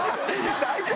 大丈夫？